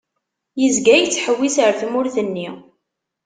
Yezga yettḥewwis ar tmurt-nni.